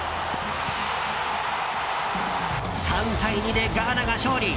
３対２でガーナが勝利。